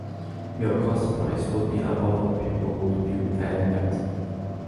Your cost price would be above what people would be retailing at.